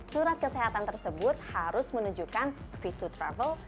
surat kesehatan tersebut harus menunjukkan fit to travel